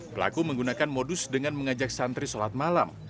pelaku menggunakan modus dengan mengajak santri sholat malam